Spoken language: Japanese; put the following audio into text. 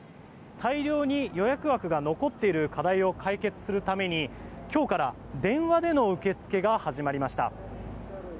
大量に予約枠が残っている課題を解決するために今日から電話での受け付けが始まりました。